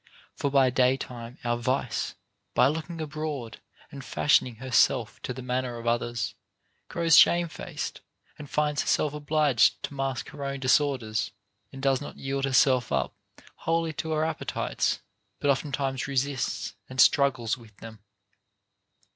For by day time our vice, by looking abroad and fashioning herself to the manner of others, grows shamefaced, and finds herself obliged to mask her own disorders, and does not yield herself up wholly to her appetites, but oftentimes resists and struggles with them.